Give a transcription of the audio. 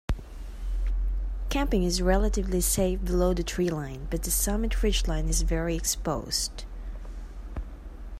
Camping is relatively safe below the treeline but the summit ridgeline is very exposed.